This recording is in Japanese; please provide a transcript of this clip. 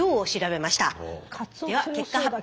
では結果発表。